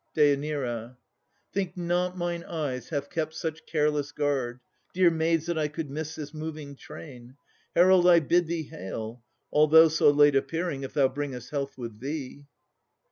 DÊ. Think not mine eye hath kept such careless guard, Dear maids, that I could miss this moving train. Herald, I bid thee hail, although so late Appearing, if thou bringest health with thee!